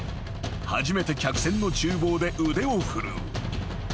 ［初めて客船の厨房で腕を振るう］